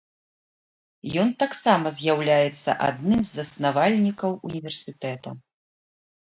Ён таксама з'яўляецца адным з заснавальнікаў універсітэта.